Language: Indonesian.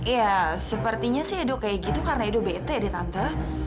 ya sepertinya si edo kayak gitu karena edo bete tante